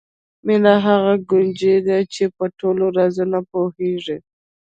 مینه هغه کونجي ده چې په ټولو رازونو پوهېږو.